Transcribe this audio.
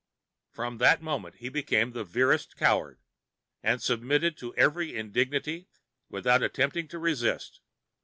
From that moment he became the veriest coward, and submitted to every indignity without attempting to resist.